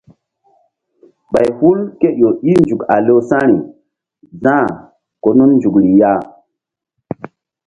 Ɓay hul ké ƴo i nzuk a lewsa̧ri za̧h ko nun nzukri ya.